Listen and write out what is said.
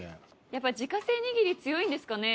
やっぱ自家製握り強いんですかね？